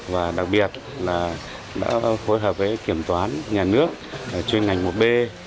và đặc biệt là đã phối hợp với kiểm toán nhà nước chuyên ngành một b